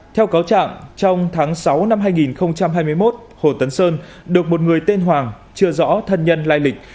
theo cáo trạng trong tháng sáu năm hai nghìn hai mươi một hồ tấn sơn được một người tên hoàng chưa rõ thân nhân lai lịch